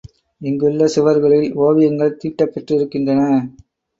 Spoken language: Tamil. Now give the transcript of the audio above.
இங்குள்ள சுவர்களில் ஓவியங்கள் தீட்டப் பெற்றிருக்கின்றன.